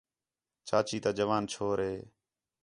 چاچی تا جوان چھور ہِے